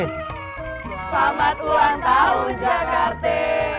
selamat ulang tahun jakarta